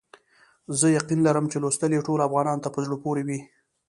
زه یقین لرم چې لوستل یې ټولو افغانانو ته په زړه پوري وي.